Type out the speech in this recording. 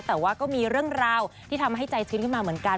แต่ว่าก็มีเรื่องราวที่ทำให้ใจชื้นขึ้นมาเหมือนกัน